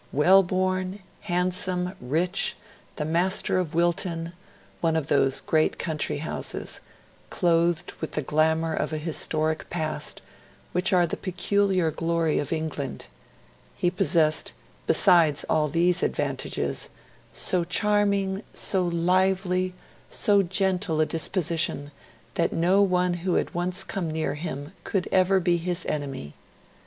Well born, handsome, rich, the master of Wilton one of those great country houses, clothed with the glamour of a historic past, which are the peculiar glory of England he possessed besides all these advantages: so charming, so lively, so gentle a disposition that no one who had once come near him could ever be his enemy.